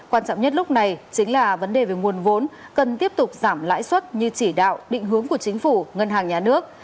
quan trọng nhất lúc này chính là vấn đề về nguồn vốn cần tiếp tục giảm lãi suất như chỉ đạo định hướng của chính phủ ngân hàng nhà nước